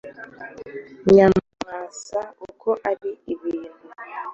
nyamwasa uko ari, ibintu